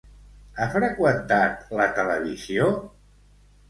Ha freqüentat la televisió?